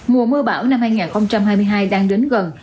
mùa mưa bão năm hai nghìn hai mươi hai đang đến gần